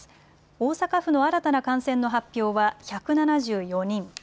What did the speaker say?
大阪府の新たな感染の発表は１７４人。